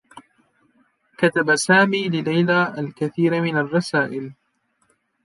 كتب سامي لليلى الكثير من الرّسائل.